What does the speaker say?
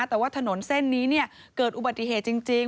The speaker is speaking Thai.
แต่ว่าถนนเส้นนี้เกิดอุบัติเหตุจริง